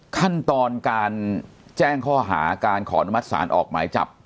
ขั้นตอนการแจ้งข้อหาการขออนุมัติศาลออกหมายจับ